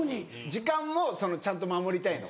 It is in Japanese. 時間もちゃんと守りたいの？